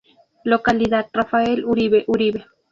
Localidad Rafael Uribe Uribe